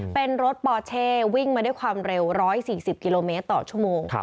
เป็นรถปอเช่วิ่งมาด้วยความเร็ว๑๔๐กิโลเมตรต่อชั่วโมง